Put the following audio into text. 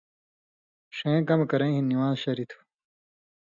ݜیں کمہۡ کرَیں ہِن نِوان٘ز شریۡ تھُو